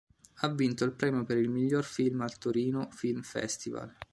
Ha vinto il premio per il Miglior film al Torino Film Festival.